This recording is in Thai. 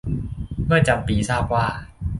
เมื่อจำปีทราบว่า